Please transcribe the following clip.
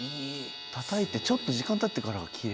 たたいてちょっと時間たってからキレイなんだな。